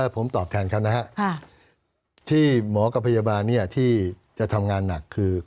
ผมตอบแทนคำนะฮะที่หมอกับพยาบาลเนี่ยที่จะทำงานหนักคือ